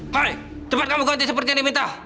hai cepat kamu ganti seperti yang diminta